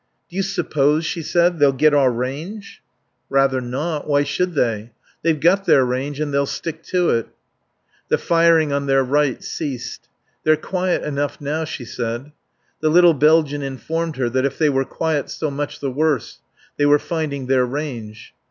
"Do you suppose," she said, "they'll get our range?" "Rather not. Why should they? They've got their range and they'll stick to it." The firing on their right ceased. "They're quiet enough now," she said. The little Belgian informed her that if they were quiet so much the worse. They were finding their range.